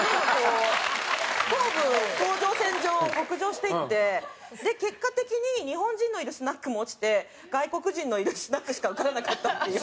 東武東上線上を北上していって結果的に日本人のいるスナックも落ちて外国人のいるスナックしか受からなかったっていう。